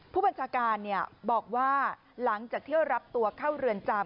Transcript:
ผู้บัญชาการบอกว่าหลังจากเที่ยวรับตัวเข้าเรือนจำ